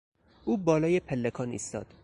او بالای پلکان ایستاد.